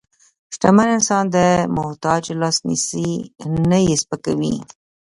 شتمن انسان د محتاج لاس نیسي، نه یې سپکوي.